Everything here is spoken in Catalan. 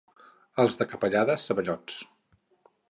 Els de Capellades, ceballots.